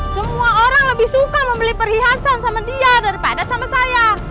semua orang lebih suka membeli perhiasan sama dia daripada sama saya